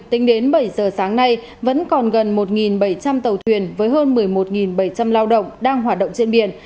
tính đến bảy giờ sáng nay vẫn còn gần một bảy trăm linh tàu thuyền với hơn một mươi một bảy trăm linh lao động đang hoạt động trên biển